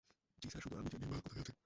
জি sir, শুধু আমি জানি মাল কোথায় আছে।